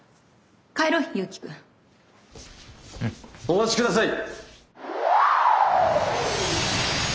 お待ちください！